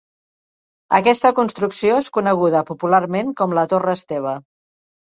Aquesta construcció és coneguda popularment com la Torre Esteve.